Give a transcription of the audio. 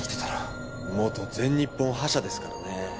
元全日本覇者ですからねぇ。